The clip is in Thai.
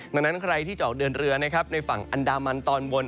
ดังนั้นใครที่จะออกเดินเรือนะครับในฝั่งอันดามันตอนบน